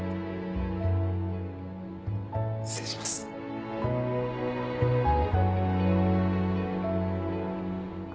失礼しますえ！